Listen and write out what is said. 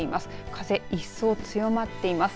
風、一層強まっています。